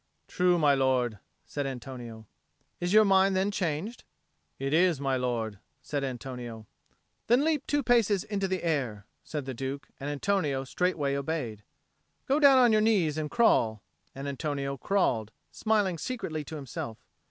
"True, my lord," said Antonio. "Is your mind then changed?" "It is, my lord," said Antonio. "Then leap two paces into the air," said the Duke; and Antonio straightway obeyed. "Go down on your knees and crawl;" and Antonio crawled, smiling secretly to himself.